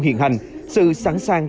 hiện hành sự sẵn sàng